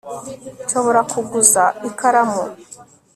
nshobora kuguza ikaramu